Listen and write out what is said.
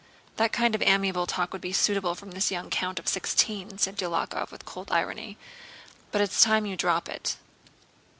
"That kind of amiable talk would be suitable from this young count of sixteen," said Dólokhov with cold irony, "but it's time for you to drop it."